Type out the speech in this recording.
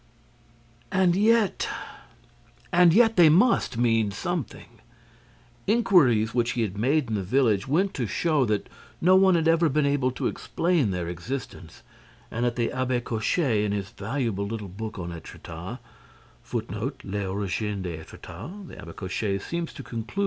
And yet—and yet they must mean something! Inquiries which he had made in the village went to show that no one had ever been able to explain their existence and that the Abbé Cochet, in his valuable little book on Étretat, had also tried in vain to solve this little puzzle.